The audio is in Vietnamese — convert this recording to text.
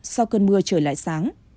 sau cơn mưa trở lại sáng